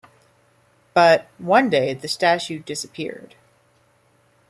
But, one day the statue disappeared.